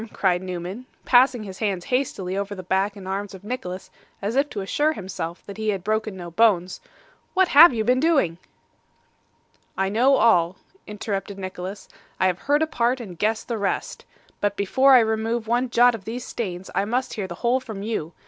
cried Newman, passing his hands hastily over the back and arms of Nicholas, as if to assure himself that he had broken no bones. 'What have you been doing?' 'I know all,' interrupted Nicholas; 'I have heard a part, and guessed the rest. But before I remove one jot of these stains, I must hear the whole from you.